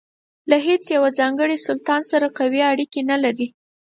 له هیڅ یوه ځانګړي سلطان سره قوي اړیکې نه لرلې.